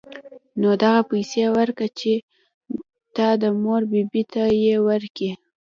نو دغه پيسې وركه چې د تا مور بي بي ته يې وركي.